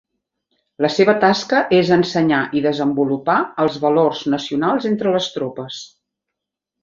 La seva tasca és ensenyar i desenvolupar els valors nacionals entre les tropes.